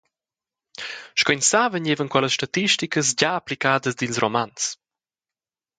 Sco ins sa vegnevan quellas statisticas gia applicadas dils Romans.